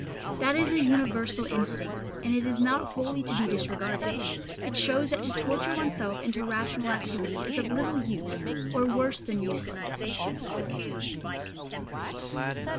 That is a universal instinct, and it is not wholly to be disregarded; it shows that to torture oneself into rational activity is of little use, or worse than useless.